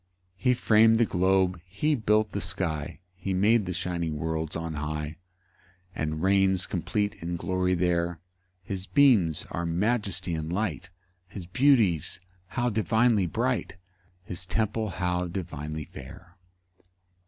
3 He fram'd the globe, he built the sky, He made the shining worlds on high, And reigns complete in glory there: His beams are majesty and light; His beauties how divinely bright! His temple how divinely fair!